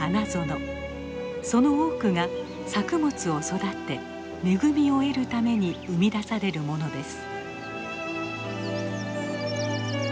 その多くが作物を育て恵みを得るために生み出されるものです。